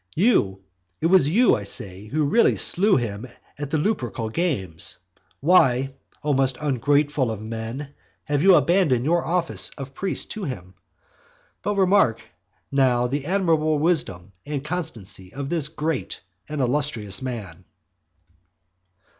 You, it was you, I say, who really slew him at the Lupercal games. Why, O most ungrateful of men, have you abandoned your office of priest to him? But remark now the admirable wisdom and consistency of this great and illustrious man.